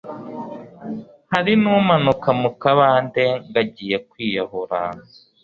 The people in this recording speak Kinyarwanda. hari numanuka mukabande ngo agiye kwiyahura